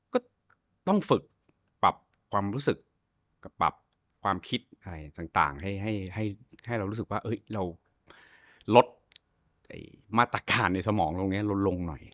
ก็ต้องฝึกปรับความรู้สึกกับปรับความคิดอะไรต่างให้เรารู้สึกว่าเราลดมาตรการในสมองตรงนี้ลดลงหน่อย